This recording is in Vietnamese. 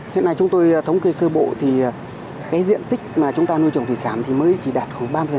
hiện nay chúng tôi thống kê sơ bộ thì diện tích mà chúng ta nuôi trồng thủy sản mới chỉ đạt hơn ba mươi